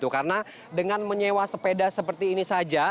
karena dengan menyewa sepeda seperti ini saja